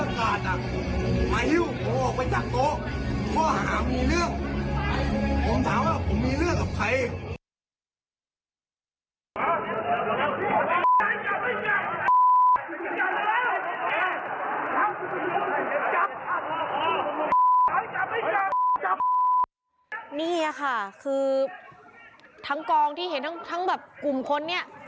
จับจับนี่ค่ะคือทั้งกองที่เห็นทั้งทั้งแบบกลุ่มคนเนี้ย